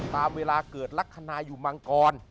ตามเวลาเกิดลักษณะอยู่มังกร